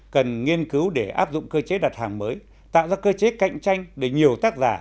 cần nghiên cứu để áp dụng cơ chế đặt hàng mới tạo ra cơ chế cạnh tranh để nhiều tác giả